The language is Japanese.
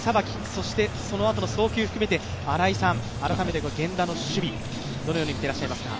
そしてそのあとの送球含めて改めて源田の守備どのように見ていらっしゃいますか。